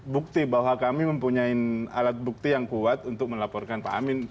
bukti bahwa kami mempunyai alat bukti yang kuat untuk melaporkan pak amin